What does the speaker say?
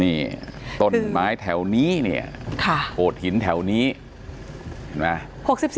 นี่ต้นไม้แถวนี้โหดหินแถวนี้